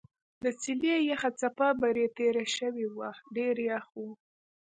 د څېلې یخه څپه برې تېره شوې وه ډېر یخ و.